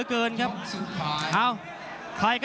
โอ้โหโดนเขาก็ไปตามนั้นเลยนะ